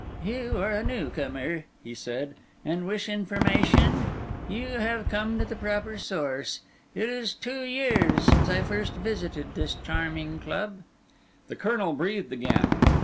"You are a new comer," he said, "and wish information? You have come to the proper source. It is two years since I first visited this charming club." The Colonel breathed again.